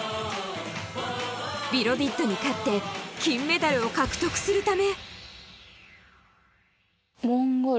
ビロディッドに勝って金メダルを獲得するため。